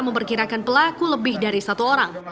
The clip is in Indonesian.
memperkirakan pelaku lebih dari satu orang